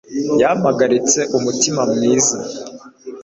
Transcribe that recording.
yampagaritse umutima mwiza